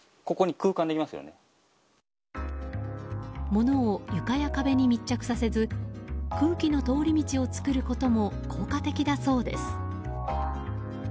物を床や壁に密着させず空気の通り道を作ることも効果的だそうです。